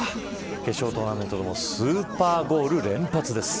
決勝トーナメントでもスーパーゴール連発です。